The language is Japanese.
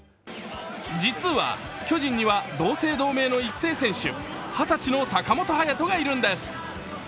実は巨人には同姓同名の育成選手、２０歳の坂本勇人がいるんです。